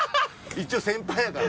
一応先輩やから。